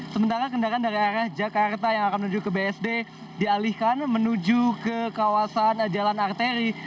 sementara kendaraan dari arah jakarta yang akan menuju ke bsd dialihkan menuju ke kawasan jalan arteri